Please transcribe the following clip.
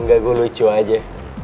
enggak gue lucu aja